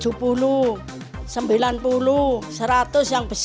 saya memakainya lama banget